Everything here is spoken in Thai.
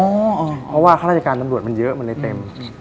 เพราะว่าข้าราชการตำรวจมันเยอะมันเลยเต็ม